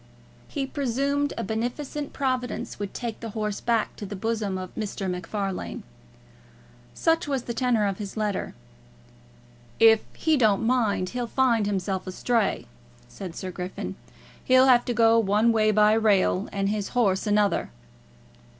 He presumed a beneficent Providence would take the horse back to the bosom of Mr. MacFarlane. Such was the tenour of his letter. "If he don't mind, he'll find himself astray," said Sir Griffin. "He'll have to go one way by rail and his horse another."